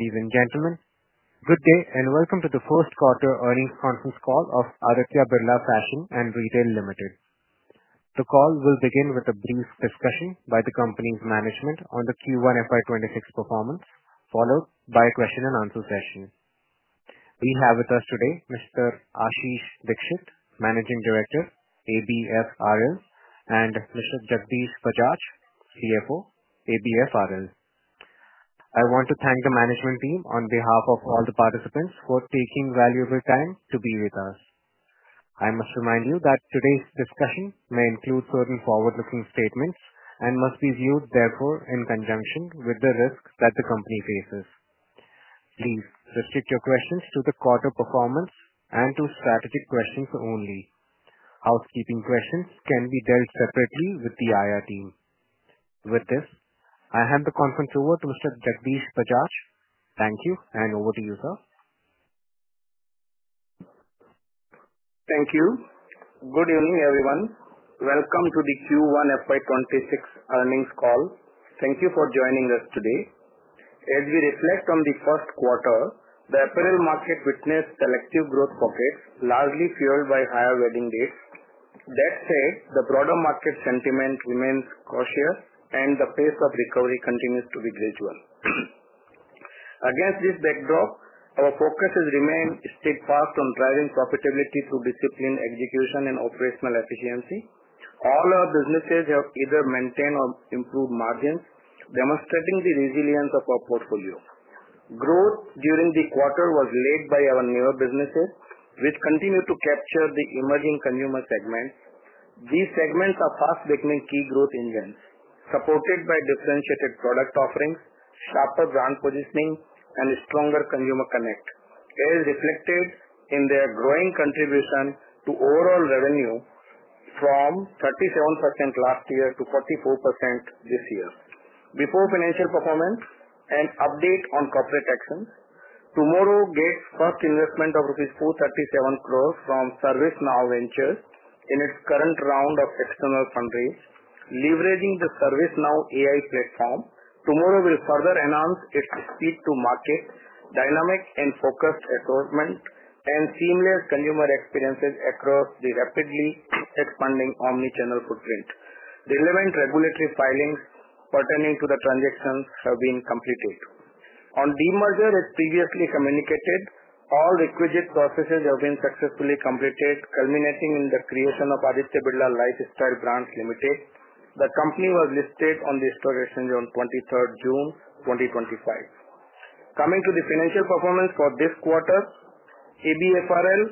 Ladies and gentlemen, good day and welcome to the First Quarter Earnings Conference Call of Aditya Birla Fashion and Retail Ltd. The call will begin with a brief discussion by the company's management on the Q1 FY 2026 performance, followed by a question and answer session. We have with us today Mr. Ashish Dikshit, Managing Director, ABFRL, and Mr. Jagdish Bajaj, CFO, ABFRL. I want to thank the management team on behalf of all the participants for taking valuable time to be with us. I must remind you that today's discussion may include certain forward-looking statements and must be viewed, therefore, in conjunction with the risks that the company faces. Please restrict your questions to the quarter performance and to strategic questions only. Housekeeping questions can be dealt separately with the IR team. With this, I hand the conference over to Mr. Jagdish Bajaj. Thank you and over to you, sir. Thank you. Good evening, everyone. Welcome to the Q1 FY 2026 Earnings Call. Thank you for joining us today. As we reflect on the first quarter, the apparel market witnessed selective growth pockets, largely fueled by higher wedding dates. That said, the broader market sentiment remains cautious, and the pace of recovery continues to be gradual. Against this backdrop, our focus has remained steadfast on driving profitability through disciplined execution and operational efficiency. All our businesses have either maintained or improved margins, demonstrating the resilience of our portfolio. Growth during the quarter was led by our newer businesses, which continue to capture the emerging consumer segments. These segments are fast becoming key growth engines, supported by differentiated product offerings, faster brand positioning, and a stronger consumer connect, as reflected in their growing contribution to overall revenue from 37% last year to 44% this year. Before financial performance, an update on corporate actions. TMRW gave first investment of INR 437 crore from ServiceNow Ventures in its current round of external fundraising, leveraging the ServiceNow AI platform. TMRW will further enhance its speed to market, dynamic and focused assortments, and seamless consumer experiences across the rapidly expanding omnichannel footprint. Relevant regulatory filings pertaining to the transactions have been completed. On the merger, as previously communicated, all requisite processes have been successfully completed, culminating in the creation of Aditya Birla Lifestyle Brands Limited. The company was listed on the stock exchange on June 23rd, 2025. Coming to the financial performance for this quarter, ABFRL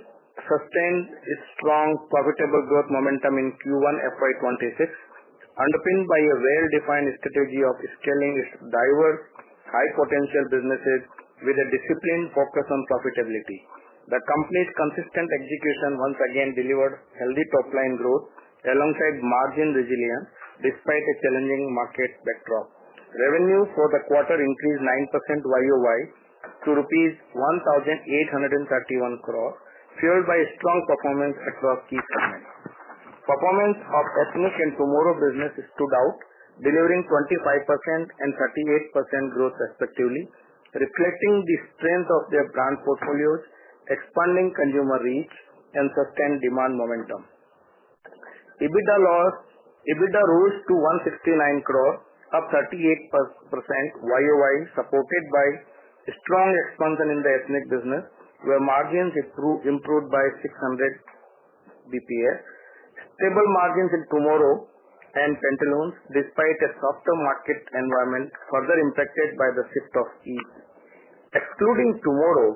sustained a strong profitable growth momentum in Q1 FY 2026, underpinned by a well-defined strategy of scaling its diverse, high-potential businesses with a disciplined focus on profitability. The company's consistent execution once again delivered healthy top-line growth alongside margin resilience, despite a challenging market backdrop. Revenue for the quarter increased 9% YoY to rupees 1,831 crore, fueled by a strong performance across key segments. Performance of ethnics and TMRW businesses stood out, delivering 25% and 38% growth respectively, reflecting the strength of their brand portfolios, expanding consumer reach, and sustained demand momentum. EBITDA rose to 169 crores, up 38% YoY, supported by a strong expansion in the ethnic business, where margins improved by 600 basis points. Stable margins in TMRW and Pantaloons, despite a softer market environment further impacted by the shift of Eid. Excluding TMRW,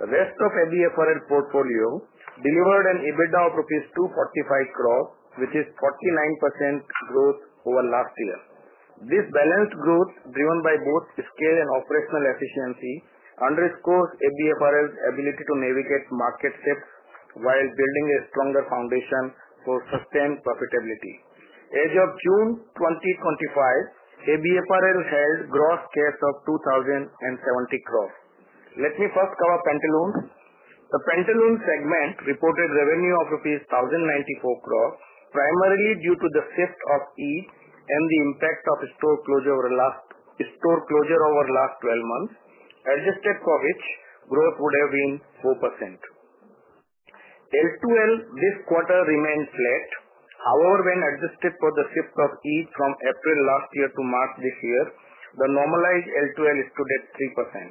the rest of ABFRL's portfolio delivered an EBITDA of rupees 245 crores, which is 49% growth over last year. This balanced growth, driven by both scale and operational efficiency, underscores ABFRL's ability to navigate market shifts while building a stronger foundation for sustained profitability. As of June 2025, ABFRL held a gross cash of 2,070 crores. Let me first cover Pantaloons. The Pantaloons segment reported revenue of rupees 1,094 crores, primarily due to the shift of Eid, and the impact of store closure over the last 12 months, adjusted for which growth would have been 4%. Like-to-like this quarter remains flat. However, when adjusted for the shift of Eid from April last year to March this year, the normalized like-to-like stood at 3%.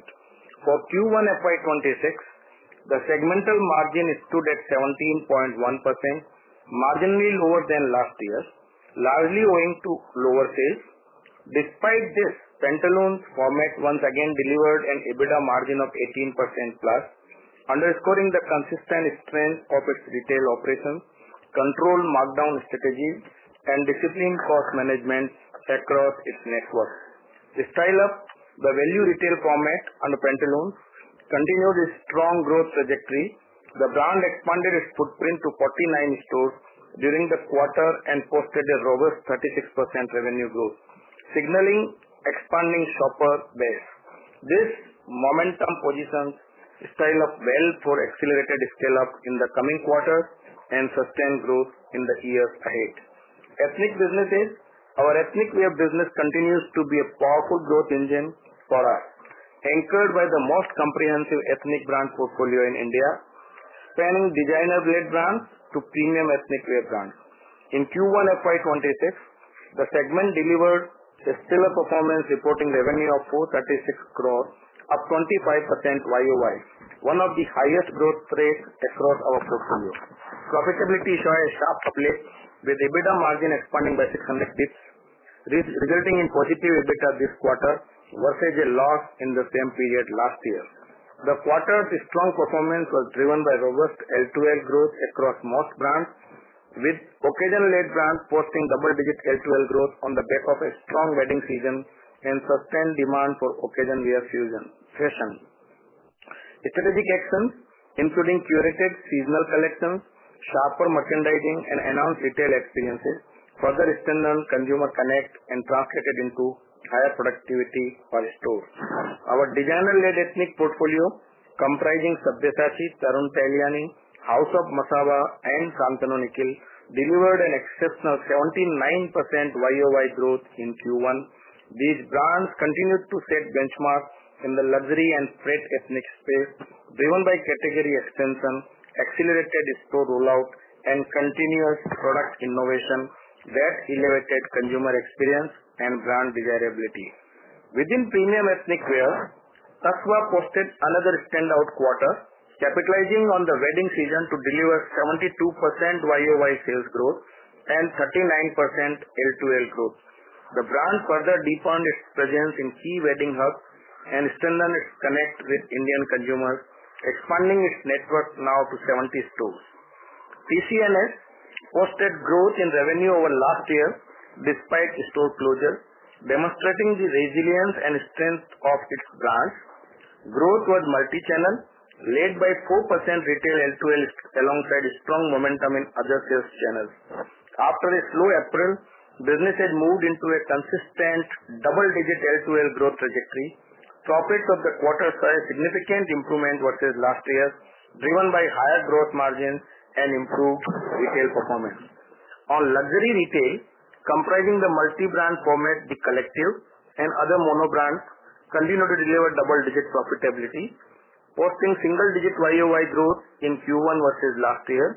For Q1 FY 2026, the segmental margin stood at 17.1%, marginally lower than last year, largely owing to lower sales. Despite this, Pantaloons's format once again delivered an EBITDA margin of 18%+, underscoring the consistent strength of its retail operations, controlled markdown strategies, and disciplined cost management across its networks. The Style Up value retail format under Pantaloons continued a strong growth trajectory. The brand expanded its footprint to 49 stores during the quarter and posted a robust 36% revenue growth, signaling expanding store base. This momentum positions Style Up well for accelerated scale-up in the coming quarters and sustained growth in the years ahead. Ethnic businesses, our ethnic wear business continues to be a powerful growth engine for us, anchored by the most comprehensive ethnic brand portfolio in India, spanning designer-grade brands to premium ethnic wear brands. In Q1 FY 2026, the segment delivered a stellar performance, reporting revenue of 436 crores, up 25% YoY, one of the highest growth rates across our portfolio. Profitability shows a sharp split, with EBITDA margin expanding by 600 basis points, resulting in positive EBITDA this quarter versus a loss in the same period last year. The quarter's strong performance was driven by robust like-to-like growth across most brands, with occasion-led brands posting double-digit like-to-like growth on the back of a strong wedding season and sustained demand for occasion-led fashion. Strategic actions, including curated seasonal collections, sharper merchandising, and enhanced retail experiences, further strengthened consumer connects and translated into higher productivity for the store. Our designer-led ethnic portfolio, comprising Sabyasachi, Tarun Tahiliani, House of Masaba, Shantnu Nikhil delivered an exceptional 79% YoY growth in Q1. These brands continued to set benchmarks in the luxury and threat ethnic space, driven by category expansion, accelerated store rollout, and continuous product innovation that elevated consumer experience and brand desirability. Within premium ethnic wear, Tasva posted another standout quarter, capitalizing on the wedding season to deliver 72% YoY sales growth and 39% like-to-like growth. The brand further deepened its presence in key wedding hubs and strengthened its connects with Indian consumers, expanding its network now to 70 stores. TCNS posted growth in revenue over last year, despite the store closure, demonstrating the resilience and strength of its brands. Growth was multichannel, led by 4% retail like-to-like alongside strong momentum in other sales channels. After a slow April, businesses moved into a consistent double-digit LTL growth trajectory. Profits of the quarter saw a significant improvement versus last year, driven by higher growth margins and improved retail performance. Our luxury retail, comprising the multi-brand format the collective and other mono brands, continued to deliver double-digit profitability, posting single-digit YoY growth in Q1 versus last year.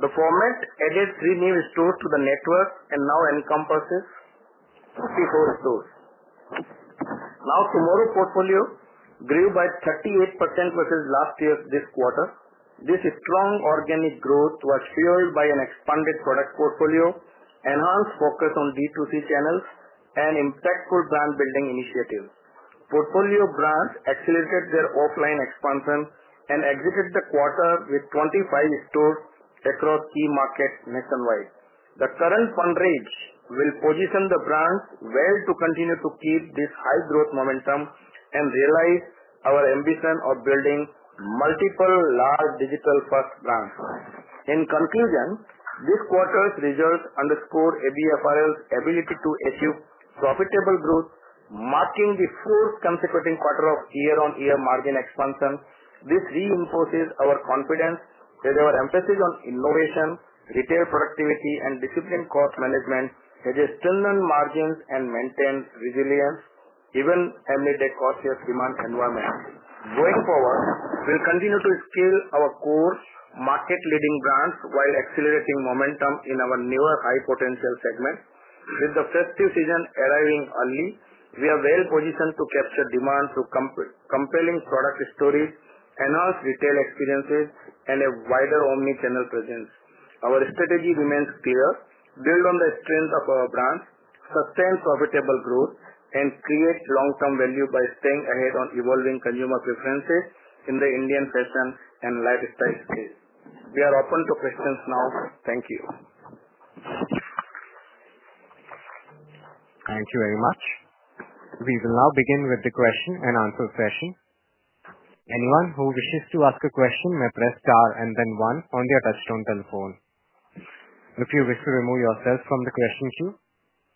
The format added three new stores to the network and now encompasses 54 stores. Now, TMRW portfolio grew by 38% versus last year this quarter. This strong organic growth was fueled by an expanded product portfolio, enhanced focus on D2C channels, and impactful brand-building initiatives. Portfolio brands accelerated their offline expansion and executed the quarter with 25 stores across key markets nationwide. The current fundraise will position the brands well to continue to keep this high growth momentum and realize our ambition of building multiple large digital first brands. In conclusion, this quarter's results underscore ABFRL's ability to achieve profitable growth, marking the fourth consecutive quarter of year-on-year margin expansion. This reinforces our confidence that our emphasis on innovation, retail productivity, and disciplined cost management has strengthened margins and maintained resilience, even amid the cautious demand environment. Going forward, we'll continue to scale our core market-leading brands while accelerating momentum in our newer high-potential segments. With the festive season arriving early, we are well-positioned to capture demand through compelling product stories, enhanced retail experiences, and a wider omnichannel presence. Our strategy remains clear, built on the strength of our brands, sustained profitable growth, and creates long-term value by staying ahead on evolving consumer preferences in the Indian fashion and lifestyle space. We are open to questions now. Thank you. Thank you very much. We will now begin with the question-and-answer session. Anyone who wishes to ask a question may press star and then one on their touchtone telephone. If you wish to remove yourself from the question queue,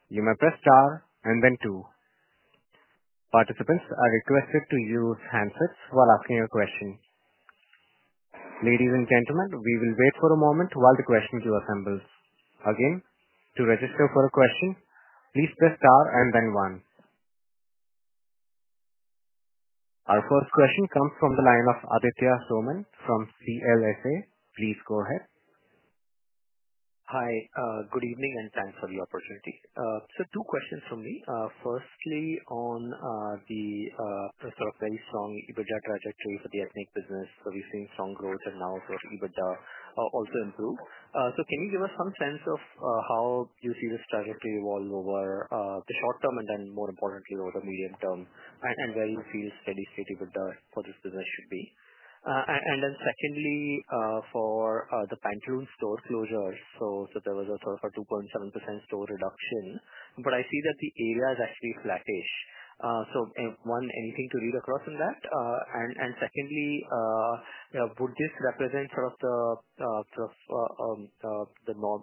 you may press star and then two. Participants are requested to use handsets while asking your question. Ladies and gentlemen, we will wait for a moment while the question queue assembles. Again, to register for a question, please press star and then one. Our first question comes from the line of Aditya Soman from CLSA. Please go ahead. Hi, good evening, and thanks for the opportunity. Two questions from me. Firstly, on the sort of very strong EBITDA trajectory for the ethnic business, we've seen strong growth and now sort of EBITDA also improve. Can you give us some sense of how you see this trajectory evolve over the short term and then, more importantly, over the medium term and where you see a steady state EBITDA for this business should be? Secondly, for the Pantaloons store closure, there was a sort of a 2.7% store reduction, but I see that the area is actually flattish. One, anything to read across on that? Secondly, would this represent sort of the normal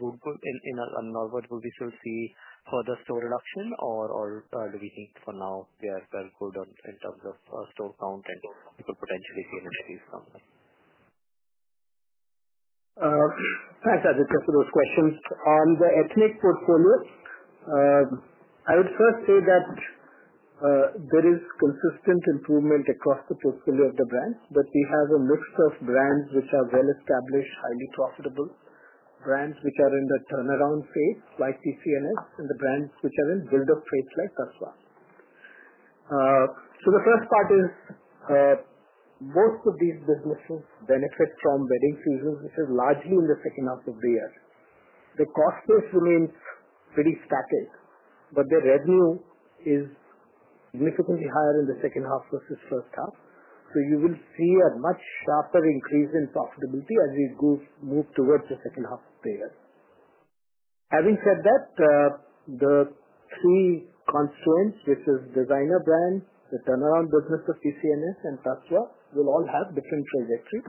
in a normal business you'll see further store reduction or do we think for now they are well-called in terms of store count and could potentially clear the space somewhere? Thanks, Aditya, for those questions. On the ethnic portfolio, I would first say that there is consistent improvement across the portfolio of the brands, but we have a mix of brands which are well-established, highly profitable, brands which are in the turnaround phase like TCNS, and the brands which are in build-up phase like Tasva. The first part is most of these businesses benefit from wedding seasons, which is largely in the second half of the year. The cost base remains pretty static, but the revenue is significantly higher in the second half versus first half. You will see a much faster increase in profitability as we move towards the second half of the year. Having said that, the three constraints—this is designer brand, the turnaround business of TCNS, and Tasva—will all have different trajectories.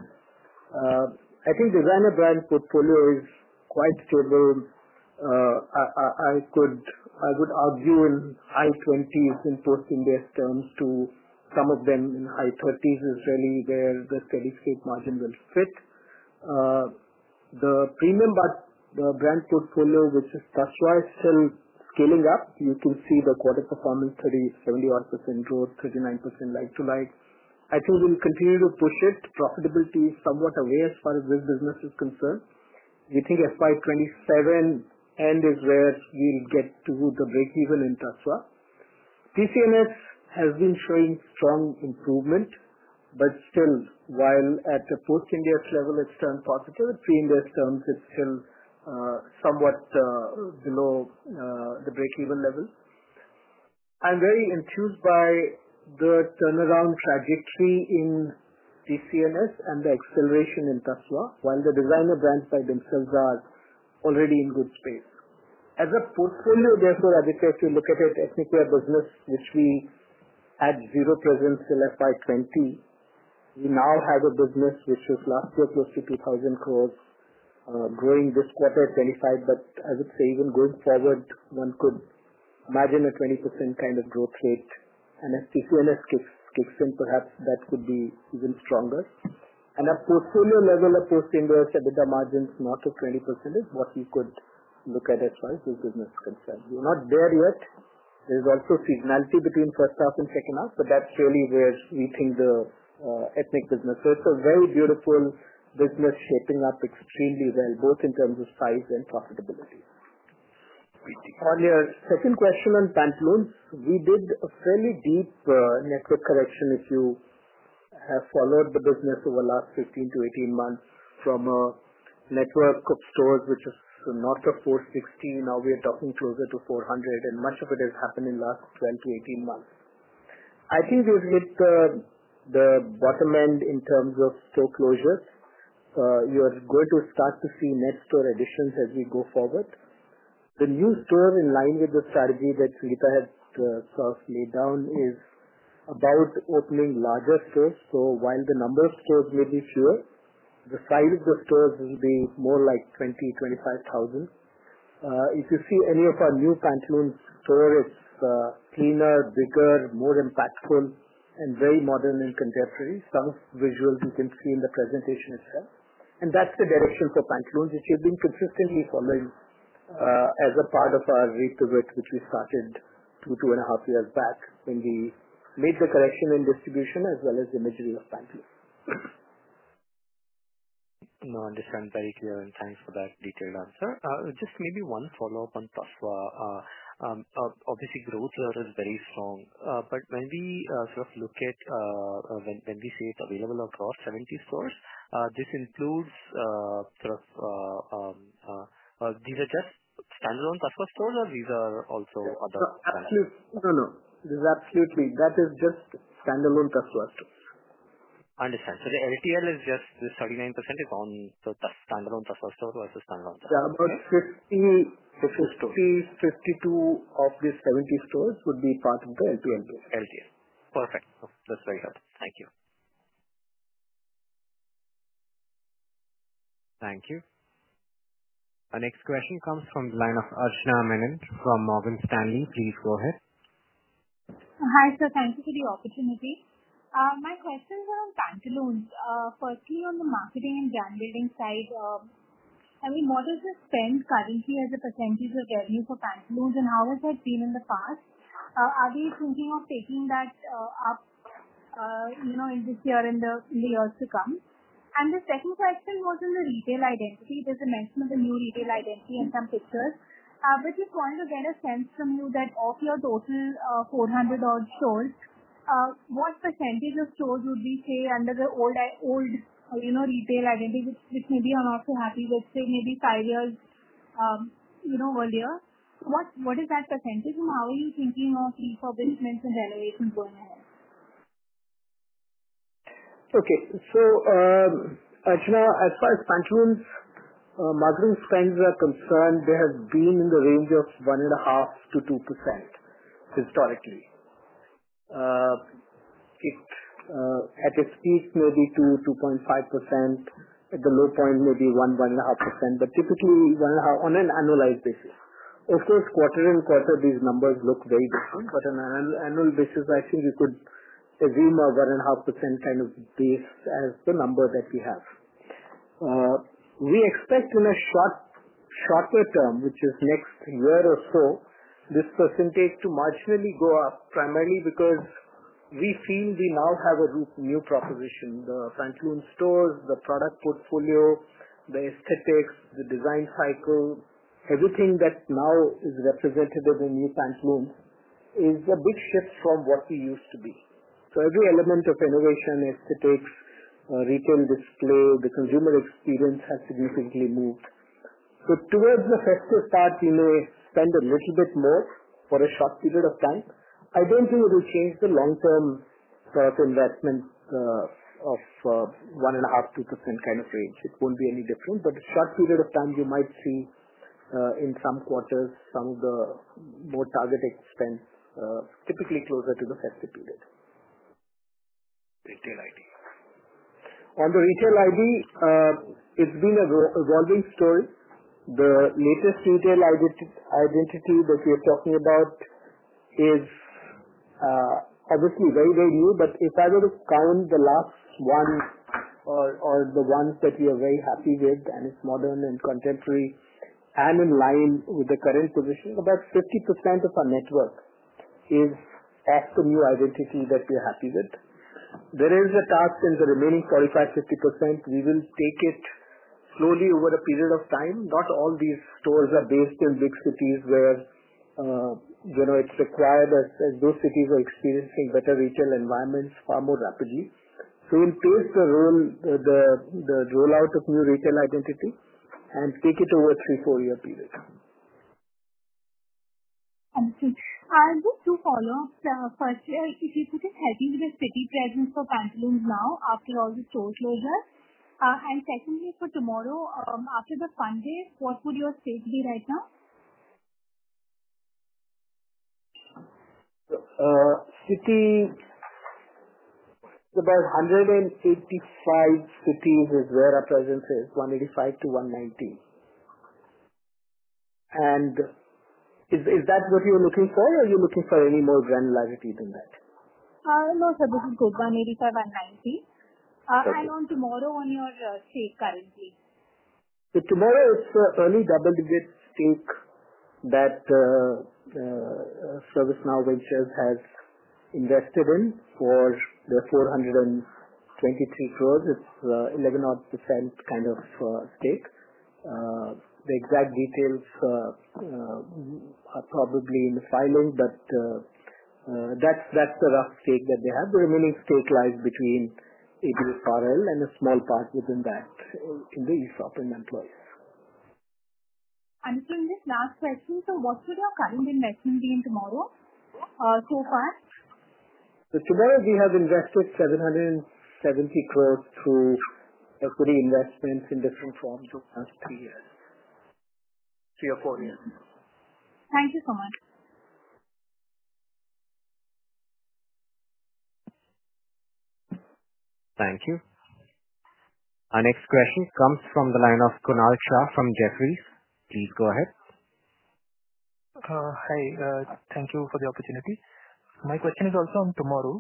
I think designer brand portfolio is quite stable. I would argue in high 20s in post-index terms to some of them in high 30s is really where the steady state margin will sit. The premium brand portfolio, which is Tasva, is still scaling up. You can see the quarter performance, really 71% growth, 39% like-to-like. I think we'll continue to put this. Profitability is somewhat away as far as this business is concerned. We think FY 2027 end is where we'll get to the break-even in Tasva. TCNS has been showing strong improvement, but still, while at the post-index level, it's turned positive, in pre-index terms, it's still somewhat below the break-even level. I'm very enthused by the turnaround trajectory in TCNS and the acceleration in Tasva, while the designer brands by themselves are already in good space. As a portfolio, therefore, Aditya, if you look at it, ethnically a business which we had zero presence in FY 2020, we now have a business which is last year close to 2,000 crores, growing this quarter 25%. I would say even going forward, one could imagine a 20% kind of growth rate. As TCNS kicks in, perhaps that could be even stronger. Our portfolio level of post-index EBITDA margins north of 20% is what we could look at as far as this business is concerned. We're not there yet. There is also a seismicity between first half and second half, but that's surely where we think the ethnic business. It's a very beautiful business shaping up extremely well, both in terms of size and profitability. On your second question on Pantaloons, we did a fairly deep network correction if you have followed the business over the last 15-18 months from a network of stores which is north of 416. Now we are talking closer to 400, and much of it has happened in the last 12-18 months. I think you hit the bottom end in terms of store closures. You are going to start to see net store additions as we go forward. The new store in line with the strategy that Sangeeta had sort of laid down is about opening larger stores. While the number of stores will be fewer, the size of the stores will be more like 20,000, 25,000. If you see any of our new Pantaloons stores, it's cleaner, bigger, more impactful, and very modern and contemporary. Some visuals you can see in the presentation as well. That's the direction for Pantaloons, which we've been consistently following as a part of our repeat which we started 2.5 years back when we made the correction in distribution as well as imagery of Pantaloons. No, I understand very clearly, and thanks for that detailed answer. Just maybe one follow-up on Tasva. Obviously, growth there is very strong. When we sort of look at, when we say it's available across 70 stores, this includes, are these just standalone Tasva stores or these are also other? No, no. These are absolutely, that is just standalone Tasva stores. I understand. The like-to-like growth is just this 39% is only the standalone Tasva stores versus standalone? Yeah, about 15-50, up to 70 stores would be part of the like-to-like growth. Perfect. That's very helpful. Thank you. Thank you. Our next question comes from the line of Archana Menon from Morgan Stanley. Please go ahead. Hi, sir. Thank you for the opportunity. My questions are on Pantaloons. Firstly, on the marketing and brand-building side, what is the spend currently as a percentage of revenue for Pantaloons and how has that been in the past? Are they thinking of taking that up in this year and the years to come? The second question was in the retail identity. There's an announcement on new retail identity and some pictures. I would just want to get a sense from you that of your total 400 odd stores, what percentage of stores would we say are under the old retail identity, which maybe I'm not so happy with, say, maybe five years earlier? What is that percentage and how are you thinking of refurbishments and delays? Okay. So, Archana, as far as Pantaloons' marketing spend is concerned, they have been in the range of 1.5% to 2% historically. At its peak, maybe 2%, 2.5%. At the low point, maybe 1%, 1.5%. Typically, 1.5% on an annualized basis. Of course, quarter in quarter, these numbers look very different, but on an annual basis, I think we could assume a 1.5% kind of base as the number that we have. We expect in a shorter term, which is next year or so, this percentage to marginally go up primarily because we feel we now have a new proposition. The Pantaloons stores, the product portfolio, the aesthetics, the design cycle, everything that now is represented in the new Pantaloons is a bit shift from what we used to be. Every element of innovation, aesthetics, retail display, the consumer experience has significantly moved. Towards the fact to start, you know, spend a little bit more for a short period of time, I don't think it will change the long-term sort of investment of 1.5%, 2% kind of range. It won't be any different, but a short period of time, you might see in some quarters some of the more targeted spend typically closer to the festive period. Retail ID. On the retail ID, it's been evolving stories. The latest retail identity that we're talking about is obviously very, very new, but if I were to count the last one or the ones that we are very happy with and it's modern and contemporary and in line with the current position, about 50% of our network is past the new identity that we're happy with. There is a task in the remaining 45-50%. We will take it slowly over a period of time. Not all these stores are based in big cities where, you know, it's required as those cities are experiencing better retail environments far more rapidly. We'll pace the rollout of new retail identity and take it over a three to four-year period. I see. I have two follow-ups. Firstly, I think it's a bit heavy with the steady presence of Pantaloons now after all the store closures. Secondly, for TMRW, after the fundraise, what would your stage be right now? City, about 155 cities is where our presence is, 185-190. Is that what you're looking for or are you looking for any more granularity than that? No, sir, this is good. 185 and 190. How long TMRW on your stage currently? TMRW, it's early double-digit stake that ServiceNow Ventures has invested in for 423 crore. It's 11% odd kind of stake. The exact details are probably in the filing, but that's the rough stake that they have. The remaining stores lie between ABFRL and a small part within that, in the ESOP and employees. Understood. Just the last question, sir, what should your current investment be in TMRW so far? TMRW, we have invested 770 crore through equity investments in different forms over the last three years, three or four years. Thank you so much. Thank you. Our next question comes from the line of Kunal Shah from Jefferies. Please go ahead. Hi. Thank you for the opportunity. My question is also on TMRW.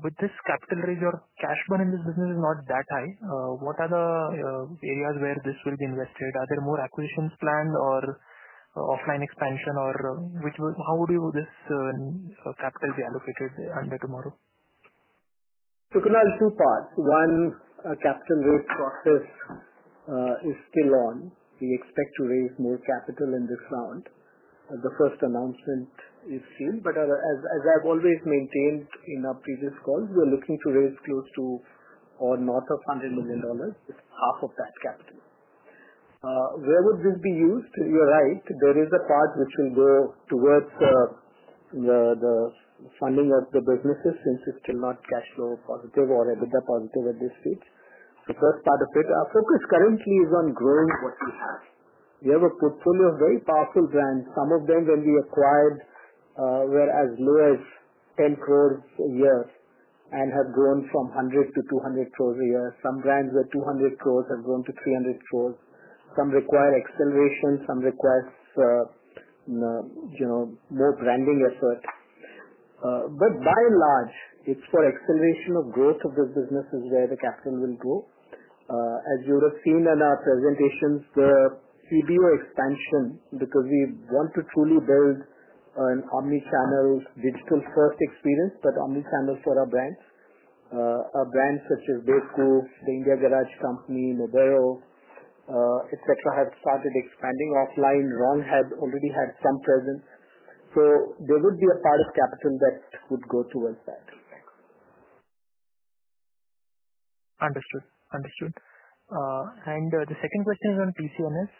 With this capital raise, your cash burn in this business is not that high. What are the areas where this will be invested? Are there more acquisitions planned or offline expansion, or how would this capital be allocated under TMRW? So, Kunal, two parts. One, capital growth process is still on. We expect to raise more capital in this round. The first announcement is soon, but as I've always maintained in our previous calls, we're looking to raise close to or north of $100 million, half of that cash flow. Where would this be used? You're right. There is a part which will go towards the funding of the businesses since it's still not cash flow positive or EBITDA positive at this stage. The first part of it, our focus currently is on growing what we have. We have a portfolio of very powerful brands. Some of them will be acquired whereas as low as 10 crore a year and have grown from 100 crore to 200 crore a year. Some brands where 200 crore have grown to 300 crore. Some require acceleration. Some require more branding efforts. By and large, it's for acceleration of growth of the businesses where the capital will grow. As you would have seen in our presentations, the CBO expansion because we want to truly build an omnichannel digital-first experience, but omnichannel for our brands. Our brands such as Bewakoof, the Indian Garage Company, Nobero, etc., have started expanding offline. Wrogn already had some presence. There would be a part of capital that would go towards that. Understood. The second question is on TCNS.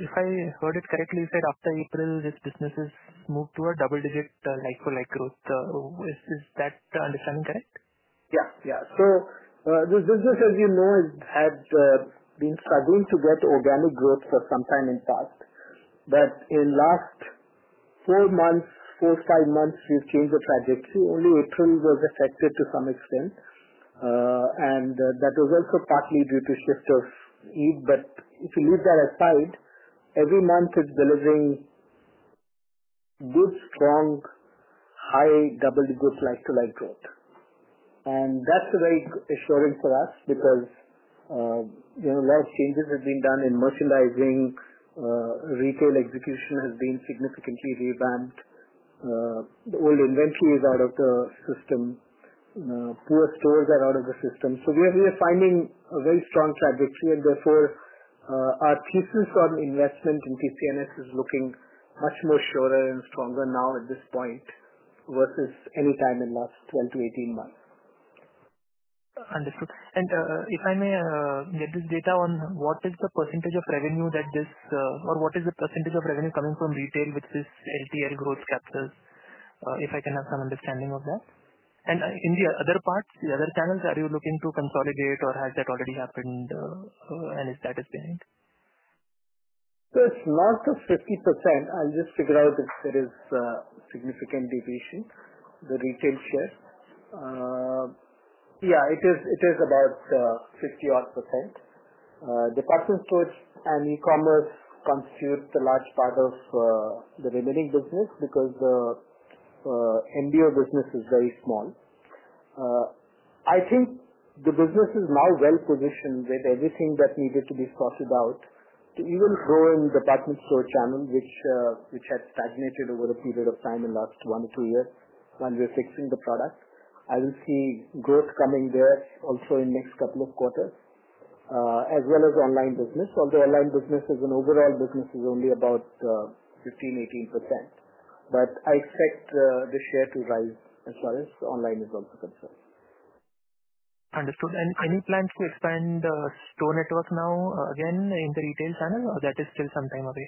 If I heard it correctly, you said after April, this business has moved to a double-digit like-to-like growth. Is that understanding correct? Yeah, yeah. This business, as you know, had been struggling to get organic growth for some time in the past. In the last four or five months, we've changed the trajectory. Only April was affected to some extent, and that was also partly due to shifts of Eid. If you leave that aside, every month is delivering good, strong, high double-digit like-to-like growth. That's a very assurance for us because a lot of changes have been done in merchandising. Retail execution has been significantly revamped. The old inventory is out of the system. Poor stores are out of the system. We are finding a very strong trajectory. Therefore, our thesis on investment in TCNS is looking much more shorter and stronger now at this point versus any time in the last 12-18 months. Understood. If I may, little data on what is the percentage of revenue that this, or what is the percentage of revenue coming from retail, which is like-to-like growth captures, if I can have some understanding of that. In the other parts, the other channels, are you looking to consolidate or has that already happened and is that as behind? So it's north of 50%. I'll just figure out if there is a significant deviation in the retail shares. Yeah, it is about 50% odd. Department stores and e-commerce constitute a large part of the remaining business because the MBO business is very small. I think the business is now well-positioned with everything that needed to be thought about to even grow in the platform store channel, which had stagnated over a period of time in the last one or two years when we were fixing the products. I will see growth coming there also in the next couple of quarters, as well as online business. Although online business as an overall business is only about 15%, 18%. I expect the share to rise as far as online is also concerned. Understood. Any plans to expand the store network now again in the retail channel, or is that still sometime away?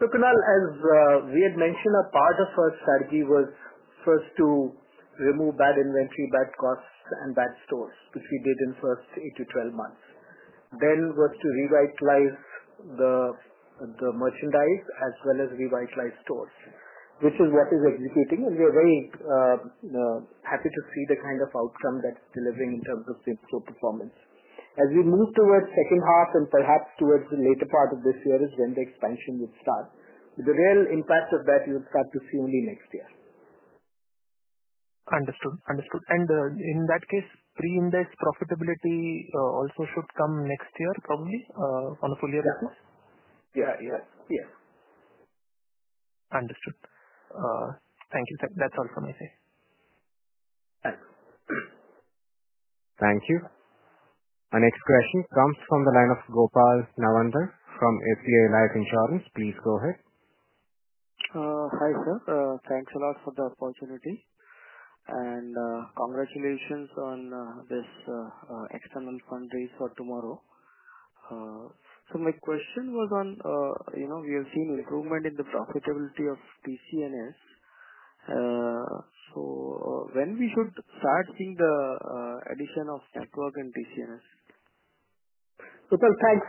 So Kunal, as we had mentioned, a part of our strategy was first to remove bad inventory, bad costs, and bad stores to see data in the first 8-12 months. Then, the plan was to revitalize the merchandise as well as revitalize stores, which is what we were executing. We are very happy to see the kind of outcome that's delivering in terms of sales performance. As we move towards the second half and perhaps towards the later part of this year, that is when the expansion would start. The real impact of that you would start to see only next year. Understood. In that case, pre-index profitability also should come next year probably on a full year equals? Yes. Yes. Understood. Thank you, sir. That's all from my side. Thanks. Thank you. Our next question comes from the line of Gopal Nawandhar from ACL Life Insurance. Please go ahead. Hi, sir. Thanks a lot for the opportunity. Congratulations on this external fundraise for TMRW. My question was on, you know, we have seen improvement in the profitability of TCNS. When should we start seeing the addition of network in TCNS? Gopal, thanks.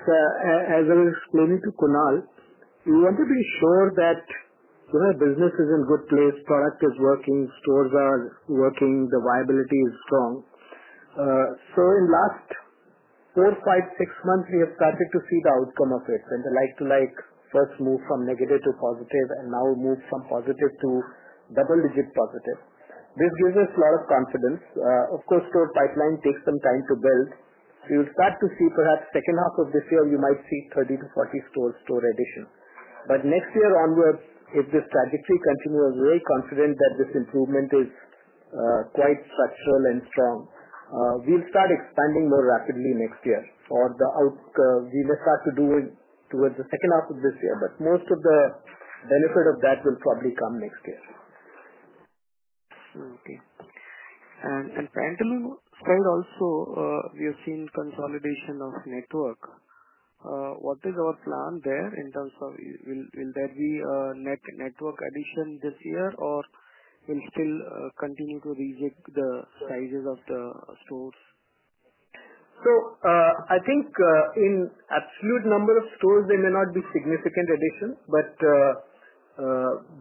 As I was explaining to Kunal, you want to be sure that your business is in a good place, product is working, stores are working, the viability is strong. In the last four, five, six months, we have started to see the outcome of it when the like-to-like first moved from negative to positive and now moved from positive to double-digit positive. This gives us a lot of confidence. Of course, the pipeline takes some time to build. You start to see perhaps the second half of this year, you might see 30-40 store addition. Next year onwards, if this trajectory continues, we're very confident that this improvement is quite structural and strong. We'll start expanding more rapidly next year for the out. We will start to do it towards the second half of this year. Most of the benefit of that will probably come next year. Okay. For Pantaloons' side also, we have seen consolidation of network. What is our plan there in terms of will there be a network addition this year or still continue to reject the sizes of the stores? I think in absolute number of stores, there may not be significant addition, but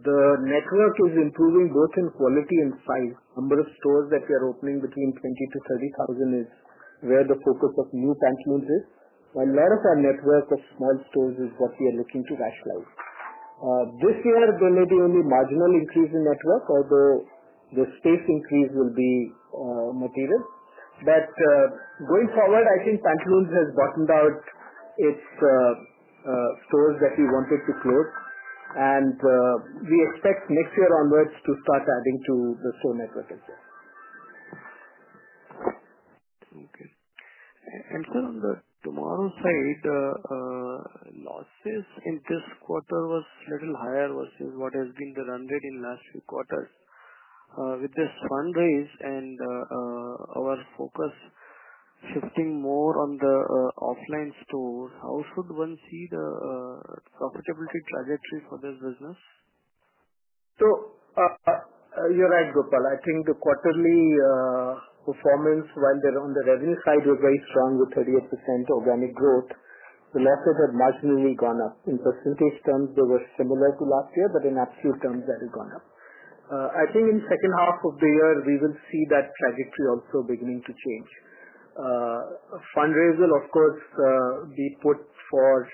the network is improving both in quality and size. The number of stores that we are opening between 20,000-30,000 is where the focus of new Pantaloons is. While a lot of our network of small stores is what we are looking to rationalize, this year there may be only marginal increase in network, although the space increase will be material. Going forward, I think Pantaloons has gotten out its stores that we wanted to close, and we expect next year onwards to start adding to the core network as well. The TMRW side, losses in this quarter was a little higher versus what has been the run rate in the last few quarters. With this fundraise and our focus shifting more on the offline stores, how should one see the profitability trajectory for this business? You're right, Gopal. I think the quarterly performance, while on the revenue side was very strong with 30% organic growth. The network had marginally gone up. In percentage terms, they were similar to last year, but in absolute terms, they had gone up. I think in the second half of the year, we will see that trajectory also beginning to change. Fundraising, of course, we put forth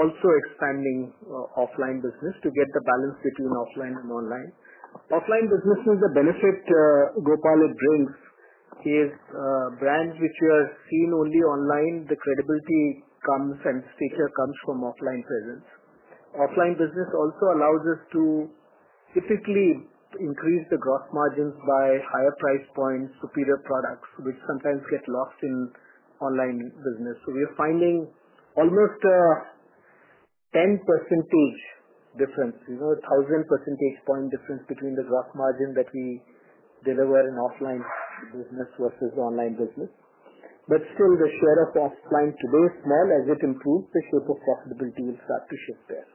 also expanding offline business to get the balance between offline and online. Offline business is the benefit Gopal brings. He is a brand which you have seen only online. The credibility comes and stature comes from offline presence. Offline business also allows us to typically increase the gross margins by higher price points, superior products, which sometimes get lost in online business. We are finding almost a 10% difference, you know, 1,000 basis point difference between the gross margin that we deliver in offline business versus online business. Still, the squared up path line is very small. As it improves, the type of profitability will start to shift there.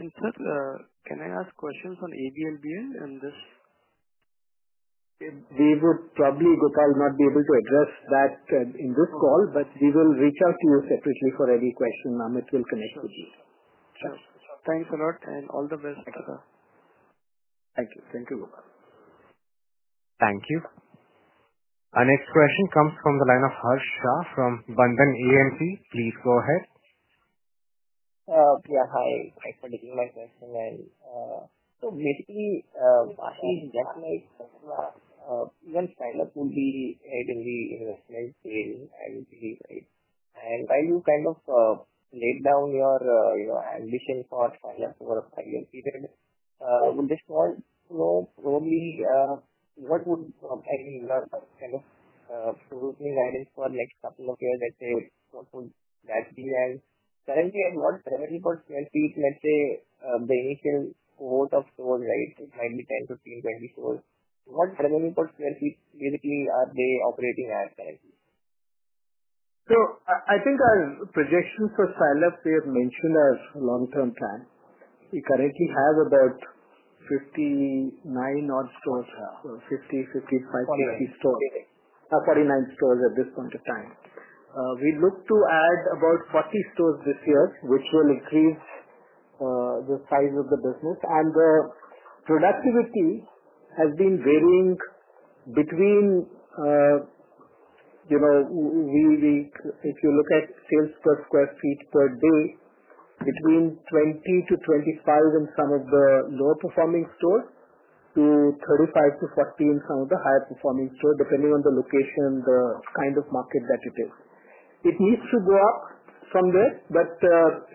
Sir, can I ask questions on ABLBL and this? They will probably, Gopal, not be able to address that in this call, but we will reach out to you separately for any questions. I'm at your connectivity. Thanks a lot and all the best, Gopal. Thank you. Thank you, Gopal. Thank you. Our next question comes from the line of Harsh Shah from Bandhan AMC. Please go ahead. Yeah, hi. I forgot my question. So basically, Ashish, just like Tasva, like Style Up would be in the investment sale, I would believe, right? And while you kind of laid down your ambition for Style Up over a 5-year period, I would just want to know probably what would -- I mean, kind of guidance for the next couple of years, let's say, what would that be? And currently, at what revenue per square feet, let's say, the initial cohort of stores, right, it might be 10, 15, 20 stores. What revenue per square feet basically are they operating at currently? I think our projections for startups, they have mentioned as a long-term plan. We currently have about 59 odd stores now, 50, 55 stores at this point of time. We look to add about 40 stores this year, which will increase the size of the business. The productivity has been varying between, you know, if you look at sales per square feet per day, between 20-25 in some of the lower-performing stores to 35-40 in some of the higher-performing stores, depending on the location, the kind of market that it is. It needs to go up from there, but at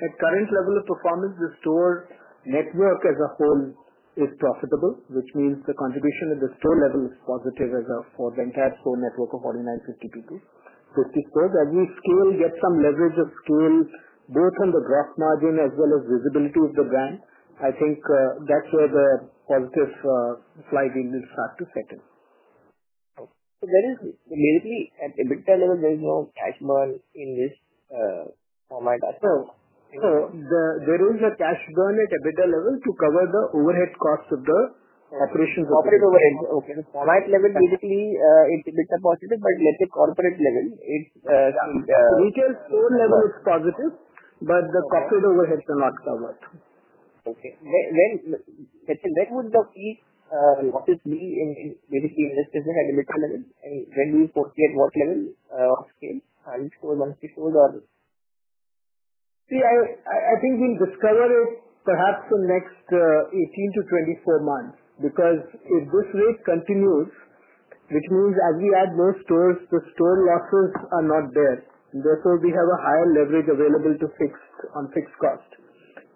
the current level of performance, the store network as a whole is profitable, which means the contribution at the store level is positive for the entire store network of 49-50 people. We still get some leverage of scale both on the gross margin as well as visibility of the brand. I think that's where the positive slide in this chart is setting. There is immediately an EBITDA level based on cash burn in this format as well. There is a cash burn at EBITDA level to cover the overhead costs of the operations of the store. Corporate overhead. Okay. The format level basically is EBITDA positive, but let's say corporate level. Retail store level is positive, but the corporate overheads are not covered. Okay. That would not be what is being in this business at EBITDA level? When we foresee at what level of scale are these stores once deployed? See, I think we'll discover it perhaps in the next 18-24 months because if this rate continues, which means as we add more stores, the store losses are not there. Therefore, we have a higher leverage available to fix on fixed cost.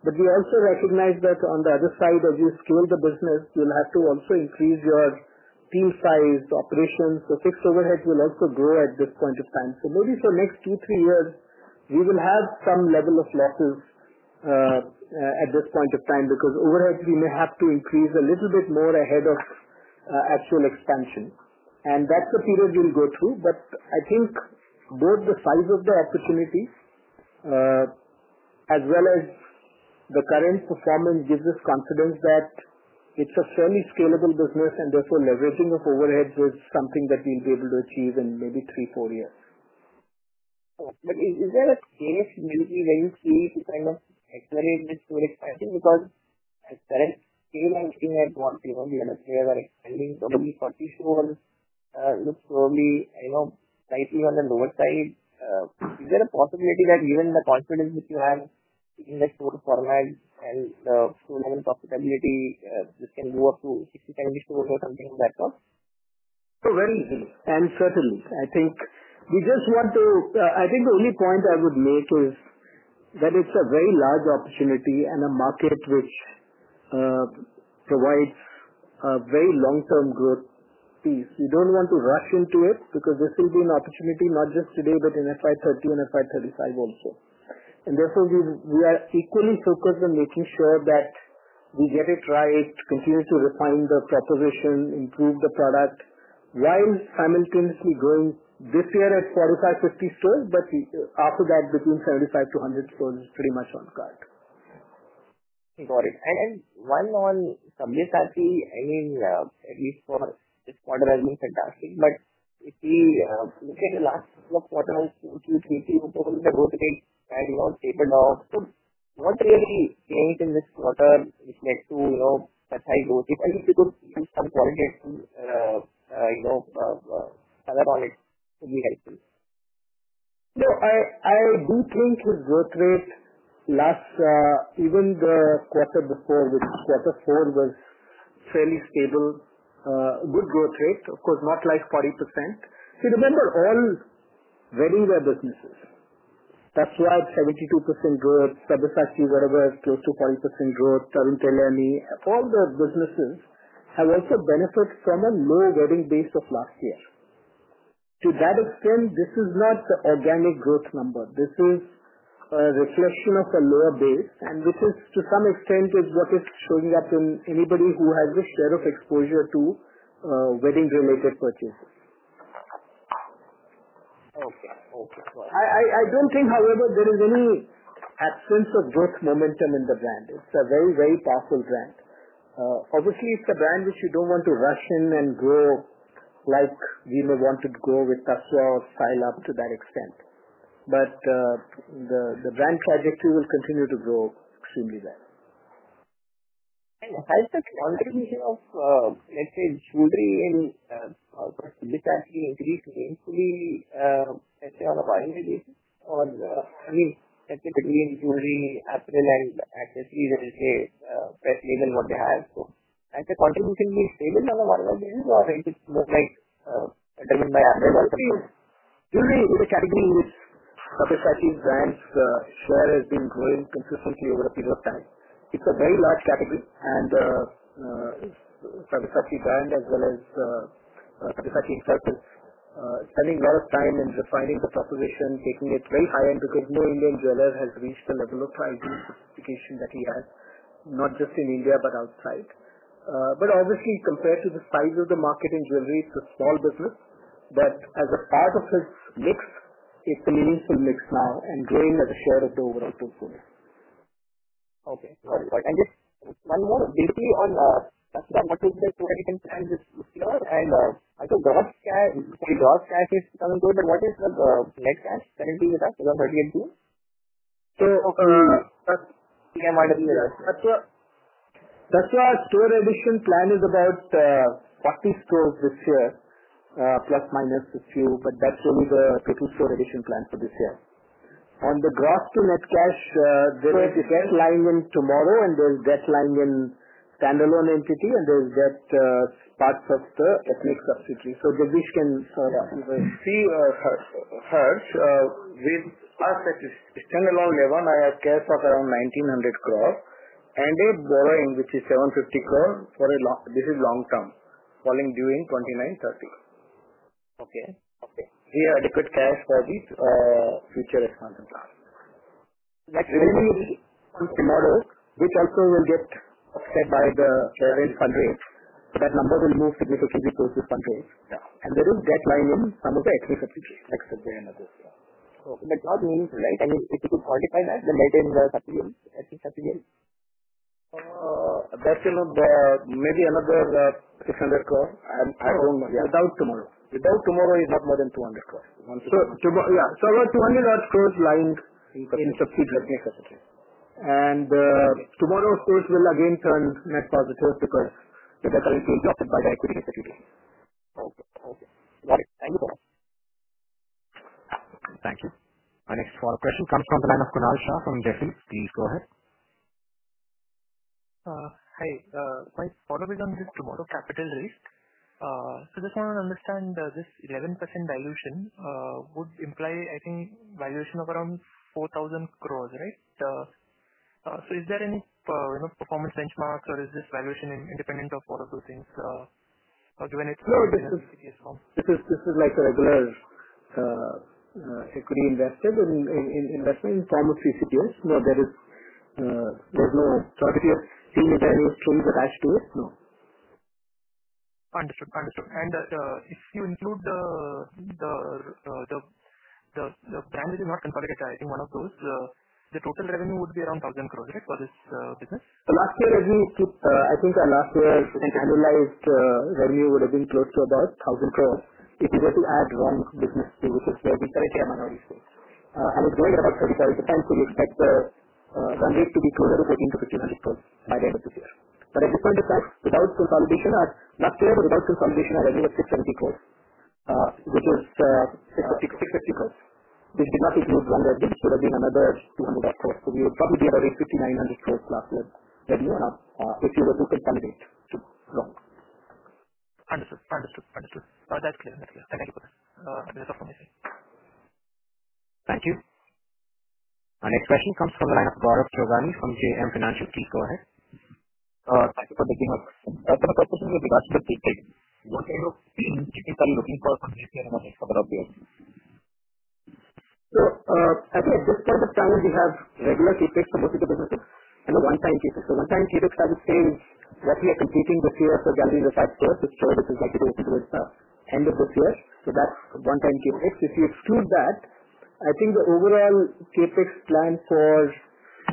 We also recognize that on the other side, as you scale the business, you'll have to also increase your team size, operations. Fixed overheads will also grow at this point of time. Maybe for the next two, three years, we will have some level of losses at this point of time because overheads, we may have to increase a little bit more ahead of actual expansion. That's the period we'll go through. I think both the size of the opportunities as well as the current performance gives us confidence that it's a fairly scalable business and therefore leveraging of overheads is something that we'll be able to achieve in maybe three, four years. Is there a chance when you see to kind of accelerate this? I think because as currently I'm seeing at what you know you're saying, probably 40 stores look probably, you know, slightly on the lower side. Is there a possibility that given the confidence that you have in this sort of format and the sort of profitability, this can go up to 60, 70 stores or something on that cost? I think the only point I would make is that it's a very large opportunity and a market which provides a very long-term growth piece. You don't want to rush into it because this will be an opportunity not just today, but in FY 2030 and FY 2035 also. Therefore, we are equally focused on making sure that we get it right, continue to refine the proposition, improve the product while simultaneously growing this year at 45, 50 stores, but after that, between 75-100 stores is pretty much on the card. Got it. One more on company strategy, I mean, at least for this quarter, I think fantastic. If we look at the last couple of quarters, two to three quarters, the growth rate has not tapered off. What really changed in this quarter which led to such high growth? If I was able to give some quality, you know, tell about it, it would be helpful. I do think with growth rates, last even the quarter before was fairly stable, good growth rates, of course, not like 40%. Remember, all ready-wear pieces. Tasva, 72% growth, Sabyasachi, whatever, close to 40% growth, Tarun Tahiliani, all the businesses have also benefited from a low weather base of last year. To that extent, this is not an organic growth number. This is a reflection of a lower base, and because to some extent, it's what is showing up in anybody who has a share of exposure to wedding-related purchases. Okay. I don't think, however, there is any absence of growth momentum in the brand. It's a very, very powerful brand. Obviously, it's a brand which you don't want to rush in and grow like you may want to grow with Tasva or Sabyasachi to that extent. The brand trajectory will continue to grow extremely well. What is the format of, let's say, jewelry in, what would you consider to be at least, let's say, on a volume basis? Typically in jewelry, apparel, and accessories, I would say, per diem and what they have. Are they contributing to stable on a volume basis or is it more like a driven by appetite? See, which category, Sabyasachi's brand has been growing consistently over a period of time. It's a very large category. Sabyasachi's brand, as well as Sabyasachi's Indian jeweler, has reached a level of identification that he has, not just in India, but outside. Obviously, compared to the size of the market in jewelry, it's a small business that as a part of this mix, it limits the mix on going at the core of the overall portfolio. Okay. Got it. Got it. Just one more, basically, on a specific marketing style, I thought Style Up. If Style Up is coming to the market, is the net cash currently with that? Is that what you're doing? Tasva's store addition plan is about 40 stores this year, plus/minus a few, but that's only the triple store addition plan for this year. On the gross to net cash, there is a deadline in TMRW and there's a deadline in standalone entity and there's that part of the ethnic subsidy. So, Jagdish can -- See, Harsh, with us at a standalone level, I have cash of around 1,900 crore and a borrowing, which is 750 crore for a long, this is long term, falling due in 2029-30. Okay. We are adequate to ask for these future responsibilities. That's bringing in. And TMRW it also will get stepped by the current fundraise. That number will move a little bit closer to suppose. There is a deadline in some of the ethnic subsidiaries next again in this year. Okay. The gross earnings is right. I mean, if you could quantify that, maintaining gross at the end, I think at the end, that's another, maybe another is at 600 crore. I don't know. Yeah, about TMRW. Without TMRW, it's not more than 200 crore. Yes. So about 200-odd crores lying in subsidiaries. And TMRW, of course, we will again turn net positive because the debt currently will be offset by the equity raise that we're doing. Thank you. Our next follow-up question comes from the line of Kunal Shah from Jefferies. Please go ahead. Hi. My follow-up is on this TMRW capital raised. Because I cannot understand this 11% dilution would imply, I think, valuation of around 4,000 crore, right? Is there any, you know, performance benchmarks or is this valuation independent of all of those things given it's a subsidiary as well? No, this is like a broader equity investment in investment in time of CCPS. No, there is no chance to assume that I will soon rush to it. No. Understood. Do you include the plan that is not consolidated? I think one of those. The total revenue would be around 1,000 crore, right, for this business? Last year, I think annualized revenue would have been close to about 1,000 crore. You're already pushing INR 900 crore per account revenue on a future to take some weight. Understood. Understood. Understood. That's clear. That's clear. Thank you for that. That's okay. Thank you. Our next question comes from the line of Gaurav Jogani from JM Financial. Please go ahead. In the one-time case, I'm saying what we are computing would be also damage of that stores is equal to the rest of the end of the stores. That's one-time capex. If you assume that, I think the overall CapEx plan for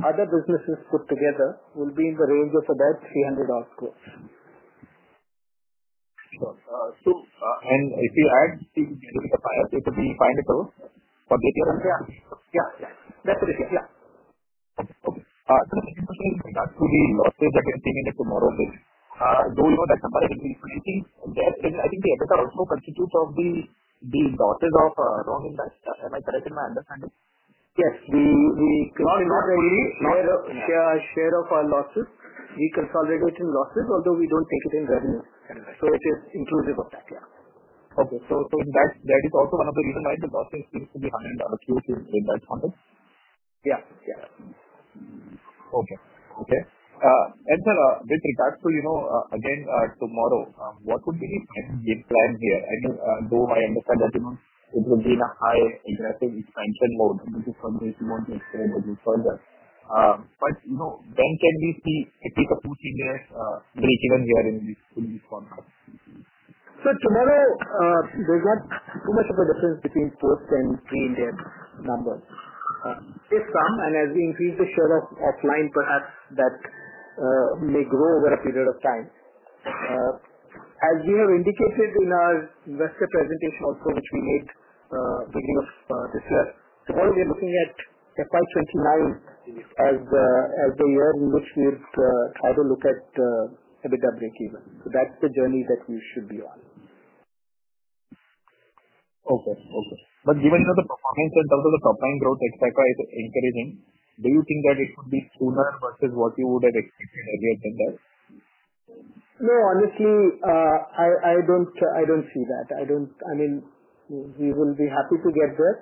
other businesses put together will be in the range of about INR 300 crore. If you add, it would be INR 500 crore from ABFRL? Yeah, yeah. Definitely. That could be lots of negative things TMRW. I don't know that, surprisingly. You think, I think the EBITDA also constitutes the deals, the losses of Wrogn in that? Am I correct in my understanding? Yes. Wrogn is already my share of our losses. He consolidates in losses, although we don't take his revenue. It is inclusive of that class. That is also one of the reasons why the losses used to be high in our stores in that context. Yeah. Yeah. Okay. Okay. Sir, with regards to, you know, again, TMRW, what would be the plan here? I understand that, you know, it would be in a higher interesting expansion mode, which is something if you want to explain a little further. You know, when can we see if we are pushing that even during these core numbers? Sir, to that, I see there's not too much of a difference between post and pre-event number. There's some, and as we increase the share of offline, perhaps that may grow over a period of time. As we have indicated in our investor presentation outcome, which we made to you as part of the set, we are looking at FY 2029 as the year in which we would try to look at EBITDA break-even. That's the journey that we should be on. Okay. Given the performance and total of the top-line growth, etc., is encouraging, do you think that it would be sooner versus what you would have expected earlier than that? No, honestly, I don't see that. I don't, I mean, we would be happy to get there,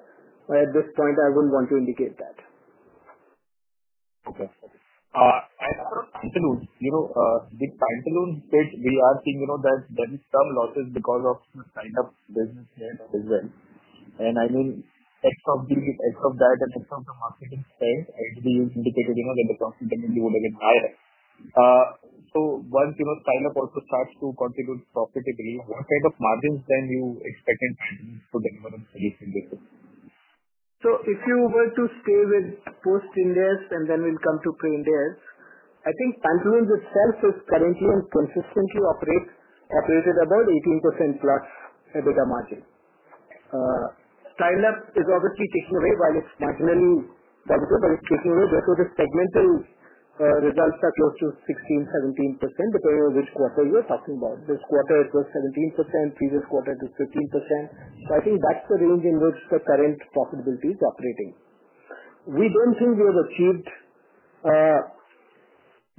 but at this point, I wouldn't want to indicate that. Okay. Absolutely. You know, the Pantaloons page, we are seeing there's very strong losses because of the Style Up business here in the region. I mean, X of these, X of that, and X of the marketing spend, as we indicated, the profitability would have been higher. Once you know Style Up also starts to continue to profit increase, what kind of margins then you expect Pantaloons to deliver on stage in this? If you were to stay with post-index and then we'll come to pre-index, I think Pantaloons itself is currently consistently operated about 18%+ EBITDA margin. Style Up is obviously taking away while it's marginally better, but it's taking away because the segmented results are close to 16%-17% depending on which quarter you're talking about. This quarter it was 17%, previous quarter it was 15%. I think that's the range in which the current profitability is operating. We don't think we have achieved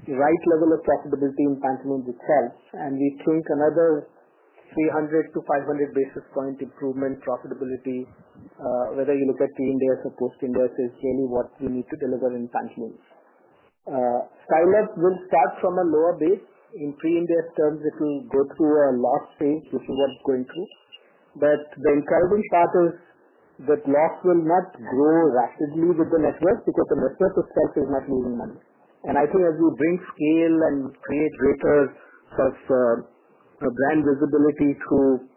the right level of profitability in Pantaloons itself, and we think another 300-500 basis point improvement in profitability, whether you look at pre-index or post-index, is really what we need to deliver in Pantaloons. Style Up will start from a lower base. In pre-index terms, it will go through a loss phase, which is what we're going through. The encouraging part is that loss will not grow rapidly with the net worth because the net worth itself is not moving on. I think as we bring scale and create greater sort of brand visibility through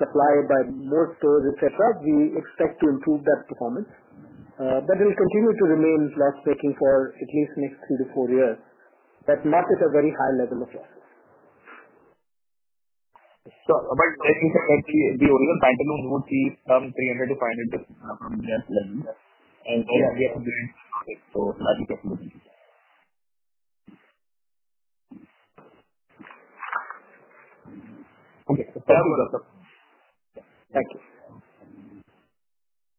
supply by more stores, etc., we expect to improve that performance. We'll continue to remain loss-taking for at least next 3-4 years, but not at a very high level of losses. Sure. But then you said that the original Pantaloons would see some 300-500 bps from that level and then we have to blend… Okay. Okay, that would work out. Thank you.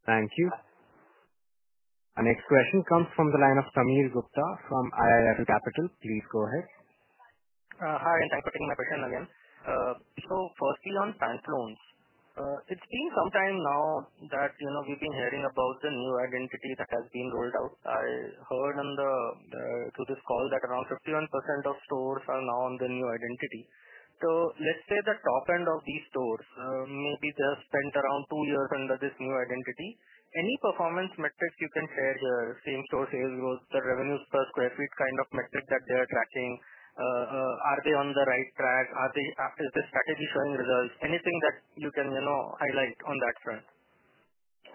Thank you. Our next question comes from the line of Sameer Gupta from IIFL Capital. Please go ahead. Hi. I'm Sameer Gupta from Capital again. Firstly, on Pantaloons, it's been some time now that we've been hearing about the new identity that has been rolled out. I heard on this call that around 51% of stores are now on the new identity. Let's say the top end of these stores maybe just spent around two years under this new identity. Any performance metrics you can share there, same store sales growth, the revenue per square feet kind of metrics that they're tracking? Are they on the right track? Is the strategy showing results? Anything that you can highlight on that front?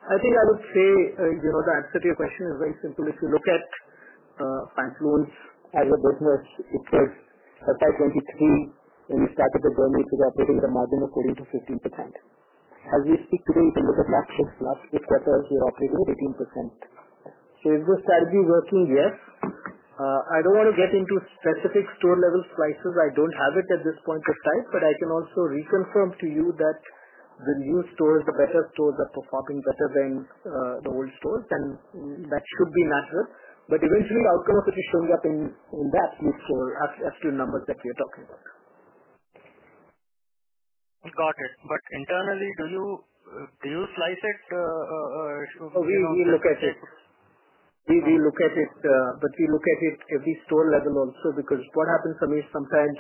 I think I would say the answer to your question is very simple. If you look at Pantaloons as a business, it was at that point between when we started the firm before we were able to margin according to 15%. As we stick to this, you can look at last quarter, last three quarters, we're operating 15%. Is the strategy working? Yes. I don't want to get into specific store level slices. I don't have it at this point of time, but I can also reconfirm to you that the new stores, the better stores are performing better than the old stores. That should be natural. But eventually, the outcome of it is showing up in that absolute store -- absolute numbers that we are talking about. Got it. Internally, do you slice it? We look at it, but we look at it at every store level also because what happens for me is sometimes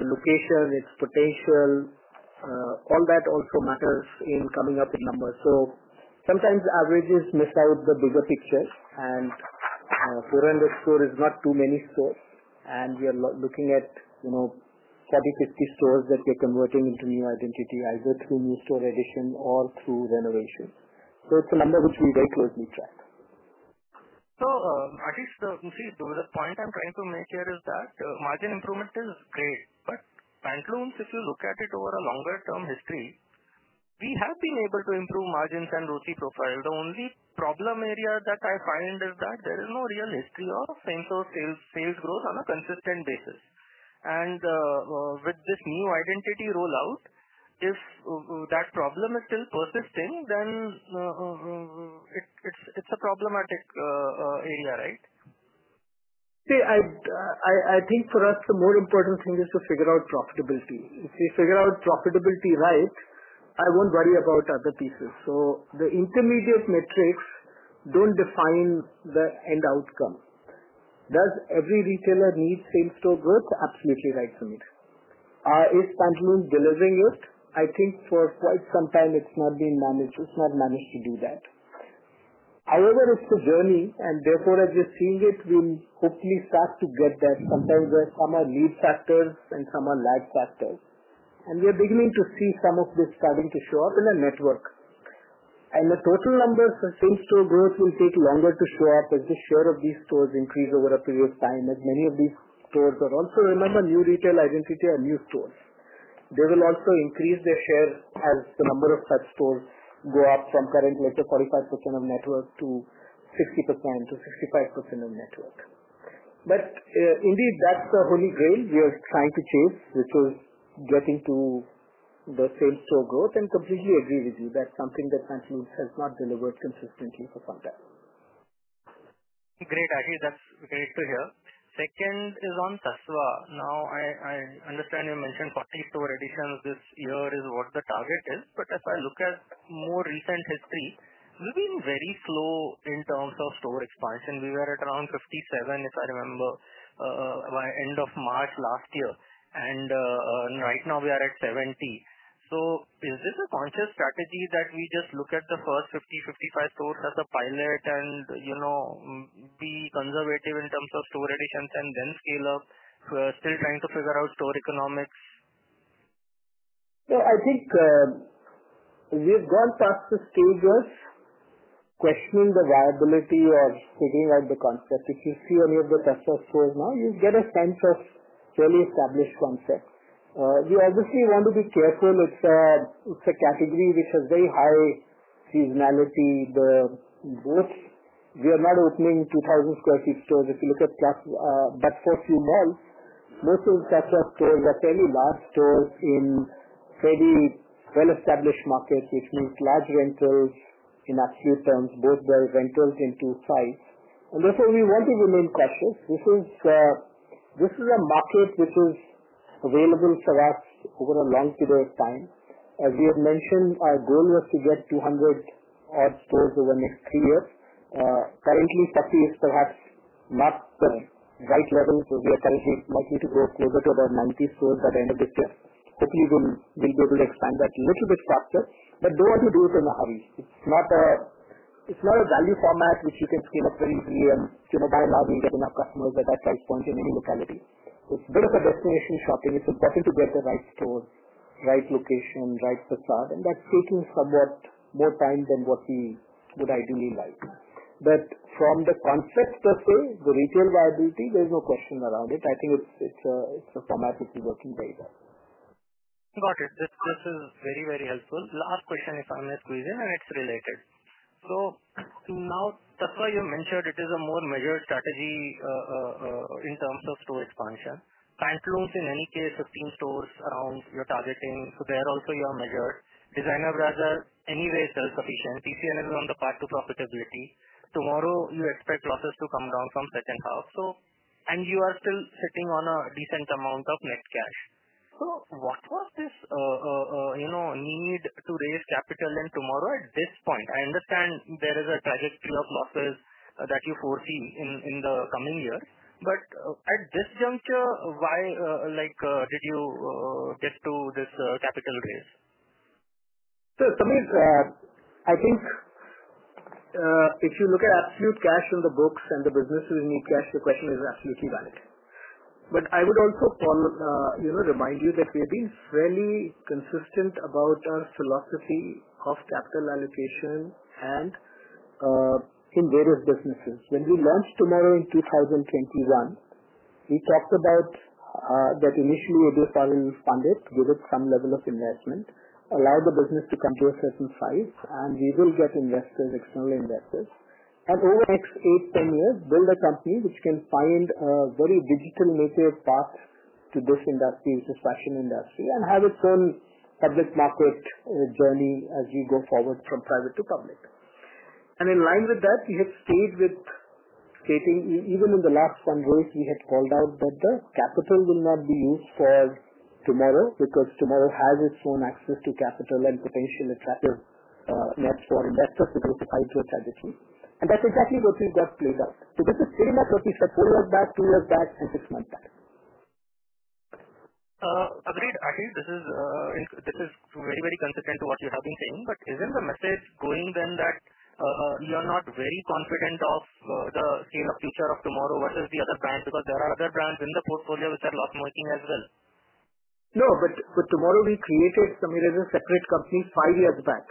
the location, its potential, all that also matters in coming up with numbers. Sometimes averages miss out the bigger picture. 400 stores is not too many stores, and we are looking at, you know, 40, 50 stores that we're converting into new identity either through new store addition or through renovation. It's a number which we very closely track. So Ashish, see, the point I'm trying to make here is that margin improvement is great, but Pantaloons, if you look at it over a longer-term history, we have been able to improve margins and ROCE profile. The only problem area that I find is that there is no real history of same-store sales growth on a consistent basis. And with this new identity rollout, if that problem is still persisting, then it's a problematic area, right? See, I think for us, the more important thing is to figure out profitability. If we figure out profitability right, I won't worry about other pieces. The intermediate metrics don't define the end outcome. Does every retailer need same-store growth? Absolutely right, Sameer. Is Pantaloons delivering it? I think for quite some time, it's not been managed. It's not managed to do that. However, it's the journey. Therefore, as you're seeing it, we'll hopefully start to get that. Sometimes there are some lead factors and some are lag factors. We are beginning to see some of those starting to show up in a network. The total numbers of same-store growth will take longer to show up as the share of these stores increase over a period of time. Many of these stores are also, remember, new retail identity, are new stores. They will also increase their share as the number of such stores go up from currently at 45% of network to 60%-65% of network. Indeed, that's the Holy Grail you're trying to choose, which was getting to the same-store growth. I completely agree with you. That's something that Pantaloons has not delivered consistently for some time. Great idea. That's great to hear. Second is on Tasva. Now, I understand you mentioned 40-store additions this year is what the target is. If I look at more recent history, we've been very slow in terms of store expansion. We were at around 57, if I remember, by end of March last year. Right now, we are at 70. Is this a conscious strategy that we just look at the first 50, 55 stores as a pilot and, you know, be conservative in terms of store additions and then scale up? We're still trying to figure out store economics. Yeah, I think we've gone past the stages questioning the viability of looking at the concept. If you see any of the Tasva stores now, you get a sense of fairly established concept. You obviously want to be careful. It's a category which has very high seasonality. We are not opening 2,000 square feet stores if you look at Tasva. For a few months, most of the Tasva stores are fairly large stores in a fairly well-established market, which means large rentals in absolute terms, both by rentals and through size. We want to remain cautious. This is a market which is available for us over a long period of time. As we have mentioned, our goal was to get 200 odd stores over the next three years. Currently, Tasva is perhaps not at the right level because we are currently likely to grow a little bit over 90 stores. I know that Tasva will be able to expand that a little bit faster. I don't want to do it in a hurry. It's not a value format which you can scale up very easily and, you know, buy a lot and get enough customers at that price point in any locality. Another thing is shopping. It's better to get the right stores, right location, right facade. That's taking somewhat more time than what we would ideally like. From the concept itself, the retail viability, there's no question about it. I think it's a format which is working very well. Got it. This question is very, very helpful. Last question is on exclusion and it's related. Now, Tasva, you mentioned it is a more measured strategy in terms of store expansion. Pantaloons, in any case, 16 stores around you're targeting. They are also your measure. Designer Brothers, anyway, sells for people. TCNS is on the path to profitability. TMRW, you expect losses to come down from the second half. You are still sitting on a decent amount of net cash. What was this, you know, need to raise capital in TMRW at this point? I understand there is a trajectory of losses that you foresee in the coming year. At this juncture, why did you get to this capital raise? To be fair, I think if you look at absolute cash in the books and the businesses we need cash, the question is absolutely valid. I would also remind you that we've been fairly consistent about our philosophy of capital allocation in various businesses. When we launched TMRW in 2021, we talked about that initially we'll do a salary spend, give it some level of investment, allow the business to come to a certain size, and we will get external investors. Over the next 8-10 years, build a company which can find a very digital native path to this industry, which is the fashion industry, and have its own public market journey as you go forward from private to public. In line with that, we have stayed with stating even in the last fundraise, we have called out that the capital will not be used for TMRW because TMRW has its own access to capital and potential, etc., not for that particular type of strategy. That is actually what we just played out. The theme of what we supported back to you is that focus market. Agreed. Agreed. This is very, very consistent to what you have been saying. Isn't the message going then that you're not very confident of the future of TMRW? What is the other brands? There are other brands in the portfolio which are lost marketing as well. No, but TMRW we created, Sameer, as a separate company five years back.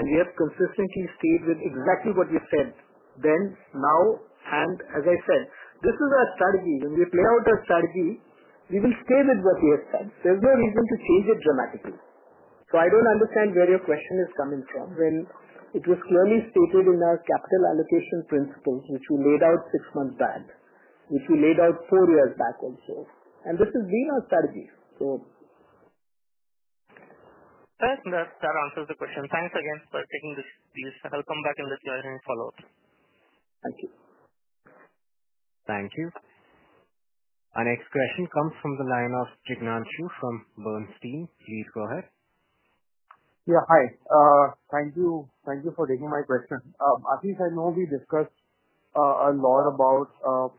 We have consistently stayed with exactly what you said. As I said, this is our strategy. When we play out our strategy, we will stay with what we have found. There's no reason to change it dramatically. I don't understand where your question is coming from. It was clearly stated in our capital allocation principle, which we laid out six months back, which we laid out four years back also. This has been our strategy. I think that answers the question. Thanks again for taking this helpful back in this learning follow-up. Thank you. Our next question comes from the line of Jignanshu Gor from Bernstein. Please go ahead. Yeah, hi. Thank you. Thank you for taking my question. As you said, I know we discussed a lot about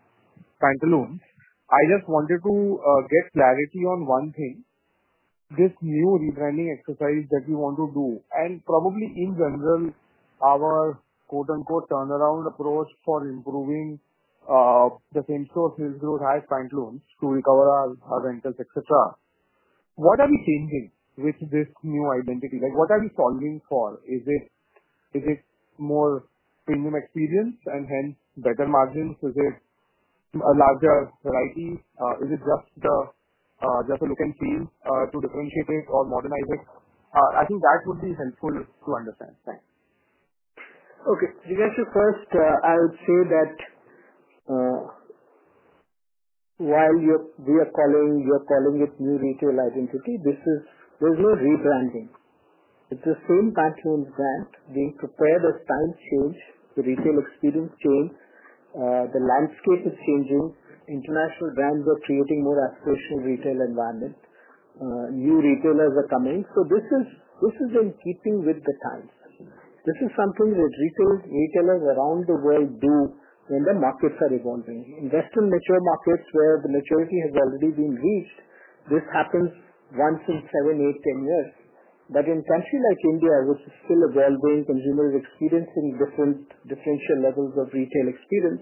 Pantaloons. I just wanted to get clarity on one thing. This new rebranding exercise that you want to do and probably in general, our quote-unquote turnaround approach for improving the same-store sales growth as Pantaloons to recover our rentals, etc. What are we changing with this new identity? Like, what are we solving for? Is it more premium experience and hence better margins? Is it a larger variety? Is it just a look and feel to differentiate it or modernize it? I think that would be helpful to understand. Thanks. Okay. You guys are first, I would say that while we are telling you're telling your new retail identity, there's no rebranding. It's the same Pantaloons brand. We prepare the style change, the retail experience change. The landscape is changing. International brands are creating more aspirational retail environments. New retailers are coming. This is in keeping with the times. This is something which retailers around the world do when the markets are evolving. Invest in mature markets where the maturity has already been reached. This happens once in 7, 8, 10 years. In a country like India, which is still a well-going consumer experience and different differential levels of retail experience,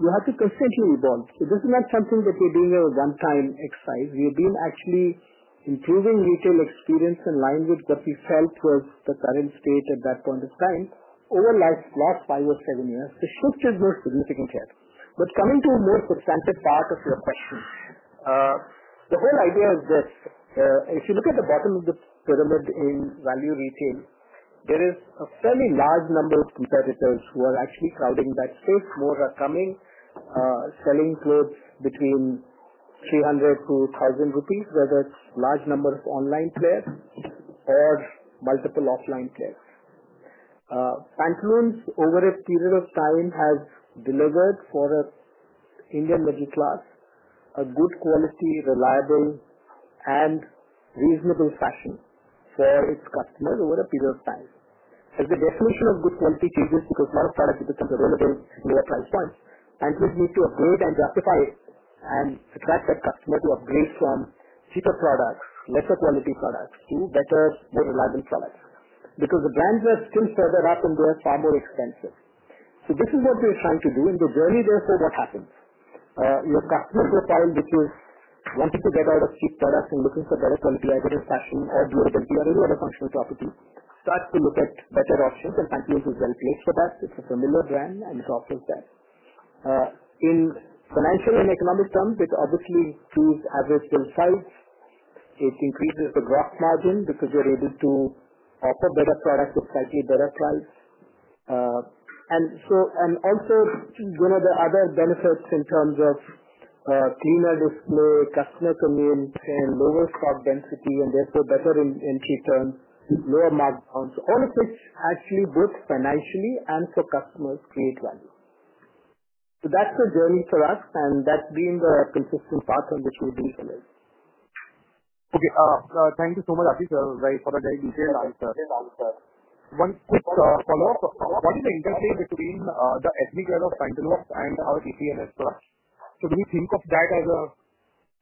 you have to constantly evolve. It is not something that we're doing at a one-time exercise. We've been actually improving retail experience in line with what we felt was the current state at that point of time over the last five or seven years. The shift is just reaping here. Coming to a more substantive part of your question, the whole idea of this, if you look at the bottom of the pyramid in value retail, there is a fairly large number of competitors who are actually crowding that space. More are coming, selling clubs between 300 to 1,000 rupees, whether it's a large number of online players or multiple offline players. Pantaloons, over a period of time, has delivered for an Indian body class a good quality, reliable, and reasonable fashion for its customers over a period of time. As the definition of good quality changes because now it started with its pyramid and more price points, Pantaloons need to upgrade and rectify it and attract that customer to upgrade from cheaper products, better quality products, to better reliable products because the brands are still further up and they're far more expensive. This is what we're trying to do in the journey therefore that happens. Your customer could tell me too, wanting to get out of cheap products and looking for better quality, I would assume that you are taking away the customer topically. Start to look at better offers and Pantaloons is very close to that. It's a familiar brand and it's offering that. In financial and economic terms, it obviously improves average sales sales. It increases the gross margin because you're able to offer better products with slightly better quality. Also, see, one of the other benefits in terms of cleaner customer commands and lower stock density and therefore better in key terms, lower markdowns, all of which actually both financially and for customers create value. That's the journey for us. That's been the consistent path on which we've been going. Thank you so much, Aditya. Very important, very detailed answer. One quick follow-up. What is the interface between the every year of Pantaloons and our retailers? Do you think of that as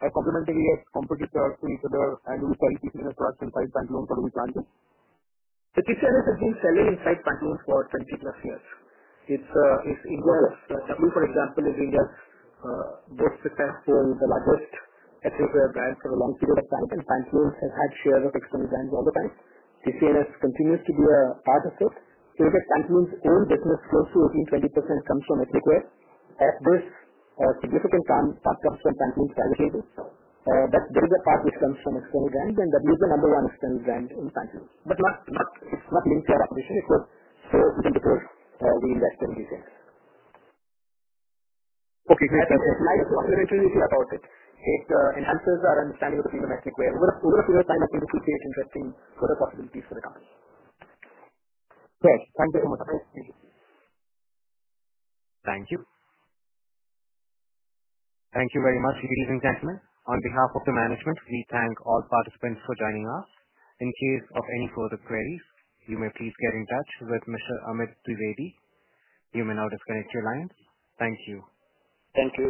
a complementary competitor to each other? I don't quite see the product inside Pantaloons, but we can do. The TCNS has been selling inside Pantaloons for 20+ years. It's India's -- W, for example, is India's most successful, the largest ethnic wear brand for a long period of time, and Pantaloons has had share of external brands all the time. TCNS continues to be a part of it. W is the number 1 external brand in Pantaloons. Okay, great. That's a nice observation. It enhances our understanding of the metric. We'll put a time of notification in the team. Thank you. Thank you very much, ladies and gentlemen. On behalf of the management, we thank all participants for joining us. In case of any further queries, you may please get in touch with Mr. Amit Dwivedi. He may now disconnect your line. Thank you. Thank you.